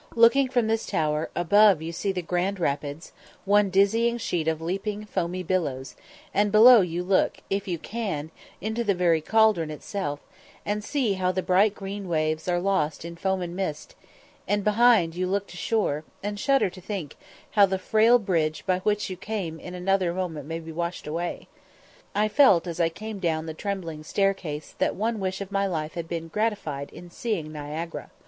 Looking from this tower, above you see the Grand Rapids, one dizzy sheet of leaping foamy billows, and below you look, if you can, into the very caldron itself, and see how the bright green waves are lost in foam and mist; and behind you look to shore, and shudder to think how the frail bridge by which you came in another moment may be washed away. I felt as I came down the trembling staircase that one wish of my life had been gratified in seeing Niagara.